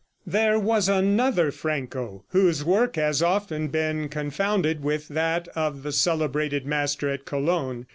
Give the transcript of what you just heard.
There was another Franco whose work has often been confounded with that of the celebrated master at Cologne.